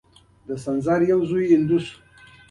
مړ شو افغانپور خو آرمانونه یې لا پاتی دي